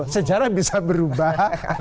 sejarah bisa berubah